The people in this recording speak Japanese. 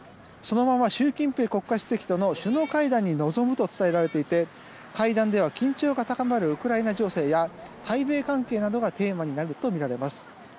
そのまま習近平国家主席との首脳会談に臨むと伝えられていて会談では緊張が高まるウクライナ情勢や対米関係などがテーマになるとみられます。